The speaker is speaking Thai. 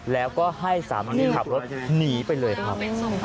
แล้วก็ให้สามีขับรถหนีไปเลยครับ